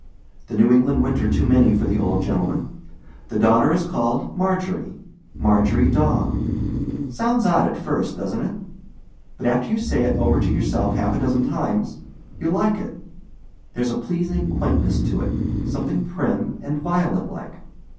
The New England winter too many for the old gentleman. The daughter is called Marjorie Marjorie Daw. Sounds odd at first, doesnât it? But after you say it over to yourself half a dozen times, you like it. Thereâs a pleasing quaintness to it, something prim and violet like.